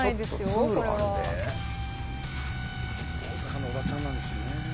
大阪のおばちゃんなんですよね。